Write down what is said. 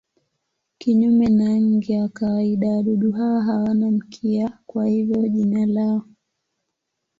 Kinyume na nge wa kawaida wadudu hawa hawana mkia, kwa hivyo jina lao.